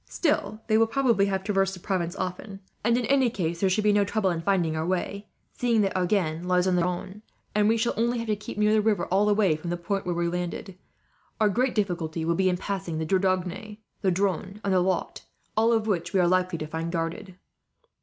Still, they will probably have traversed the province often; and in any case there should be no trouble in finding our way, seeing that Agen lies on the Garonne, and we shall only have to keep near the river, all the way from the point where we are landed. Our great difficulty will be in crossing the Dordogne, the Dronne, and the Lot, all of which we are likely to find guarded."